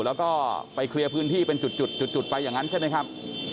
แล้วก็ไปเคลียร์พื้นที่เป็นจุดไปอย่างนั้นใช่ไหมครับ